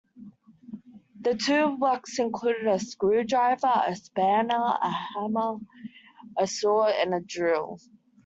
The toolbox included a screwdriver, a spanner, a hammer, a saw and a drill